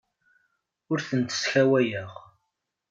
Ur tent-sskawayeɣ.